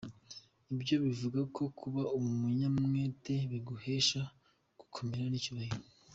ibyo bivuga ko kuba umunyamwete biguhesha gukomera n'icyubahiro.